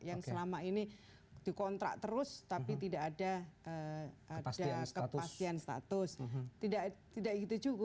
yang selama ini dikontrak terus tapi tidak ada kepastian status